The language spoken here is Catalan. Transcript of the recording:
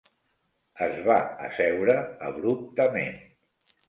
Es va asseure abruptament.